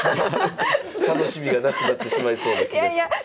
楽しみがなくなってしまいそうな気がします。